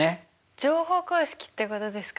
乗法公式ってことですか？